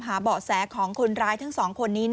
เบาะแสของคนร้ายทั้งสองคนนี้